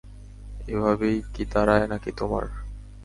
এভাবেই কি দাঁড়ায় নাকি তোমার?